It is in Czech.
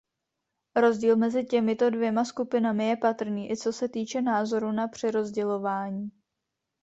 Rozdíl mezi těmito dvěma skupinami je patrný i co se týče názoru na přerozdělování.